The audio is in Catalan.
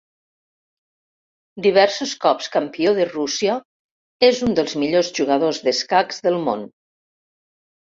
Diversos cops Campió de Rússia, és un dels millors jugadors d'escacs del món.